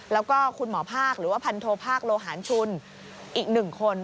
แล้วก็คุณหมอภาคหรือว่าพันโทภาคโลหารชุนอีก๑คน